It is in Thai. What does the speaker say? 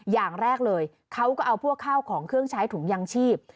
อย่างแรกเลยเขาก็เอาพวกข้าวของเครื่องใช้ถุงยางชีพ